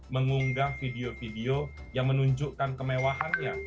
mengunggah video video yang menunjukkan kemewahannya